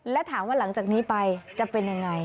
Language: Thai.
และถามว่าหลังจากนี้ไปจะเป็นยังไง